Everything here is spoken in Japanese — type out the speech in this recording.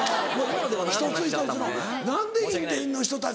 一つ一つの何でインテリの人たち。